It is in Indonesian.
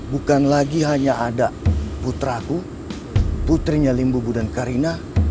bukan lagi hanya ada putraku putrinya limbu budan karina